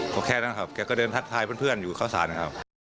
ก็แค่นั้นครับแกก็เดินทักทายเพื่อนอยู่เข้าสารนะครับ